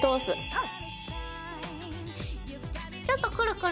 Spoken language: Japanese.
うん！